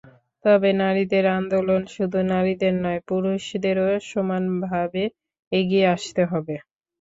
তবে নারীদের আন্দোলন শুধু নারীদের নয়, পুরুষদেরও সমানভাবে এগিয়ে আসতে হবে।